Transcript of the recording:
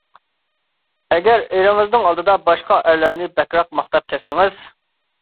ئەگەر ئېرىڭىزنىڭ ئالدىدا باشقا ئەرلەرنى بەكرەك ماختاپ كەتسىڭىز.